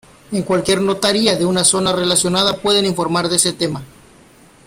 En cualquier notaría de una zona relacionada pueden informar de ese tema.